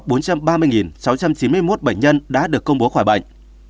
trong khi với tỷ lệ số ca nhiễm sáu trăm chín mươi một bệnh nhân đã được công bố khỏi bệnh